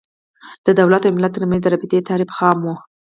د دولت او ملت تر منځ د رابطې تعریف خام و.